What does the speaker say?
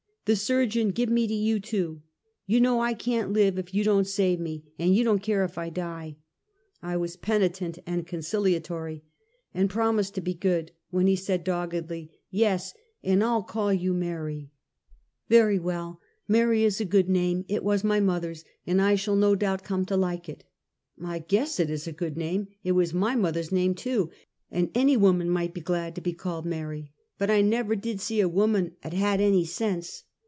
The surgeon give me to you too. You know I can't live if you don't save me, and you don't care if I die !" I was penitent and conciliatory, and promised to be good, when he said doggedly: "Yes! and I'll call you Mary!" Find a Name. 259 " Yeiy well, Mary is a good name — it was my moth er's, and I shall no doubt come to like it." "I guess it is a good name! It was my mother's name too, and any woman might be glad to be called Mary. Bat I never did see a woman 'at had any sense